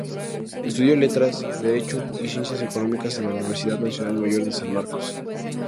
Estudió Letras, Derecho y Ciencias Económicas en la Universidad Nacional Mayor de San Marcos.